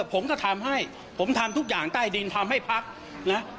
แต่ผมจะทำให้ผมทำทุกอย่างใต้ดินทำให้ภักดิ์